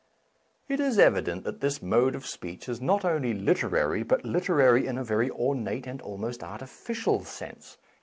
It is evident that this mode of speech is not only literary, but literary in a very ornate and almost artificial sense.